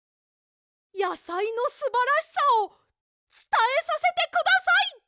やさいのすばらしさをつたえさせてください！